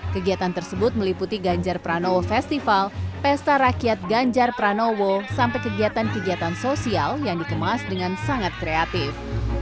kegiatan tersebut meliputi ganjar pranowo festival pesta rakyat ganjar pranowo sampai kegiatan kegiatan sosial yang dikemas dengan sangat kreatif